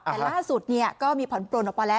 แต่ล่าสุดก็มีผ่อนปลนออกมาแล้ว